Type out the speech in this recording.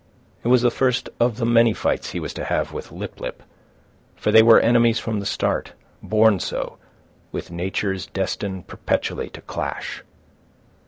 It was the first of the many fights he was to have with Lip lip, for they were enemies from the start, born so, with natures destined perpetually to clash.